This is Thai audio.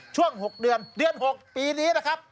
ช่วงเดือน๖ปีนี้นะครับ